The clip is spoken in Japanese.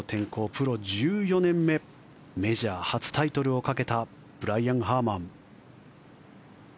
プロ１４年目メジャー初タイトルをかけたブライアン・ハーマン。